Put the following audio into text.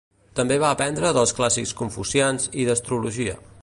També va aprendre dels clàssics confucians i d'astrologia.